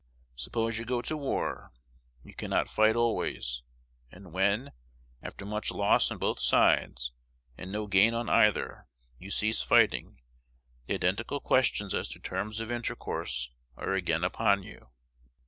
Suppose you go to war, you cannot fight always; and when, after much loss on both sides, and no gain on either, you cease fighting, the identical questions as to terms of intercourse are again upon you.